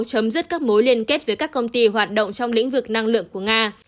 chấm dứt các mối liên kết với các công ty hoạt động trong lĩnh vực năng lượng của nga